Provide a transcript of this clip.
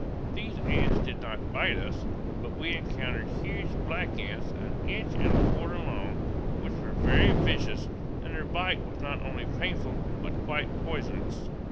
These ants did not bite us; but we encountered huge black ants, an inch and a quarter long, which were very vicious, and their bite was not only painful but quite poisonous.